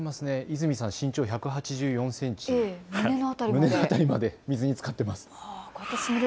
泉さん、身長１８４センチ、胸の辺りまで水につかっています。